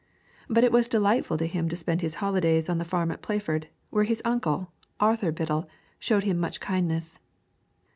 But it was delightful to him to spend his holidays on the farm at Playford, where his uncle, Arthur Biddell, showed him much kindness.